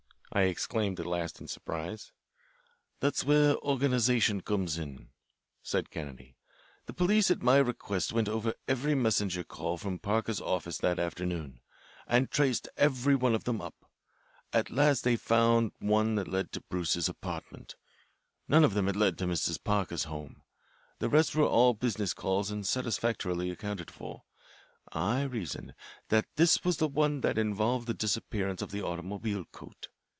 I exclaimed at last in surprise. "That's where organisation comes in," said Kennedy. "The police at my request went over every messenger call from Parker's office that afternoon, and traced every one of them up. At last they found one that led to Bruce's apartment. None of them led to Mrs. Parker's home. The rest were all business calls and satisfactorily accounted for. I reasoned that this was the one that involved the disappearance of the automobile coat.